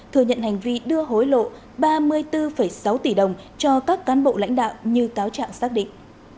thừa nhận hành vi đưa hối lộ ba mươi bốn sáu tỷ đồng cho các cán bộ lãnh đạo như cáo trạng xác định